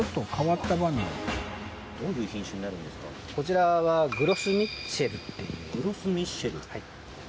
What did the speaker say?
これまたこちらはグロスミッシェルっていうグロスミッシェル？